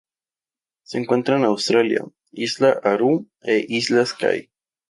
Se encuentra en Australia, isla Aru e islas Kai.